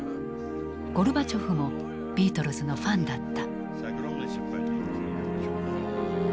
ゴルバチョフもビートルズのファンだった。